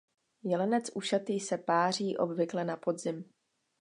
Jelenec ušatý se páří obvykle na podzim.